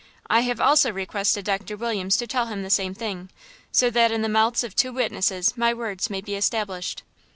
I have also requested Doctor Williams to tell him the same thing, so that in the mouths of two witnesses my words may be established."